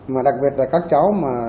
mà đặc biệt là các cháu mà